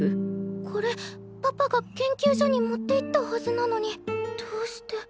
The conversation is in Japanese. これパパが研究所に持っていったはずなのにどうして。